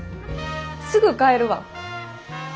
すぐ帰るわ。